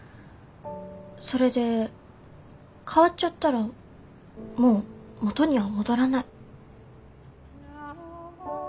それで変わっちゃったらもう元には戻らない。